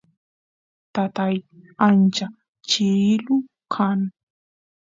tatay ancha chirilu kan